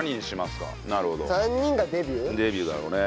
デビューだよね。